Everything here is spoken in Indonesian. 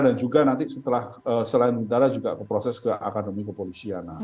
dan juga nanti setelah selain bintara juga proses ke akademi kepolisian